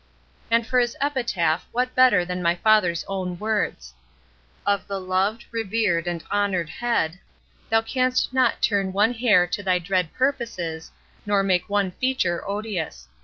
And for his epitaph what better than my father's own words: "Of the loved, revered and honoured head, thou canst not turn one hair to thy dread purposes, nor make one feature odious.